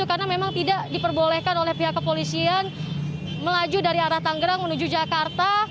karena memang tidak diperbolehkan oleh pihak kepolisian melaju dari arah tanggrang menuju jakarta